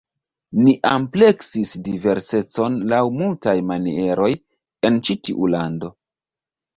Ni ampleksis diversecon laŭ multaj manieroj en ĉi tiu lando.